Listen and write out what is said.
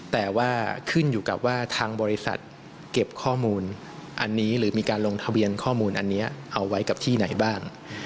แต่ว่าขึ้นอยู่กับว่าทางบริษัทเก็บข้อมูลอันนี้หรือมีการลงทะเบียนข้อมูลอันนี้เอาไว้กับที่ไหนบ้าง